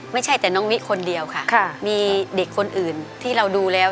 ไม่ใช่แต่น้องวิคนเดียวค่ะมีเด็กคนอื่นที่เราดูแล้ว